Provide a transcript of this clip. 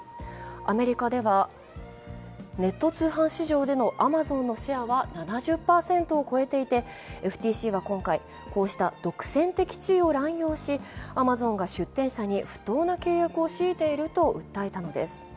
アメリカではネット通販市場でのアマゾンのシェアは７０％を超えていて、ＦＴＣは今回、こうした独占的地位を乱用しアマゾンが出店者に不当な契約を強いていると訴えたのです。